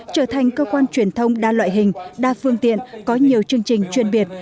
trở thành cơ quan truyền thông đa loại hình đa phương tiện có nhiều chương trình chuyên biệt